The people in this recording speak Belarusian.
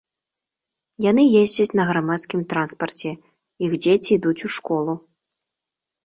Яны ездзяць на грамадскім транспарце, іх дзеці ідуць у школу.